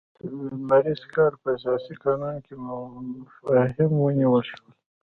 د لمریز کال په اساسي قانون کې مفاهیم ونیول شول.